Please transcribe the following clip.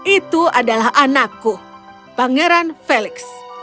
itu adalah anakku pangeran felix